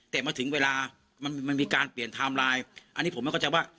แต่มาถึงเวลามันมีการเปลี่ยนไทม์ไลน์อันนี้ผมไม่เข้าใจว่า